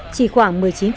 chỉ khoảng một mươi chín